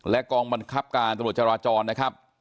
กองบังคับการตรวจจราจรนะครับ